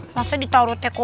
masa ditaro teko